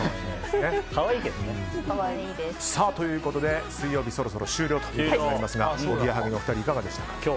可愛いけどね。ということで水曜日そろそろ終了となりますがおぎやはぎのお二人いかがでしたか。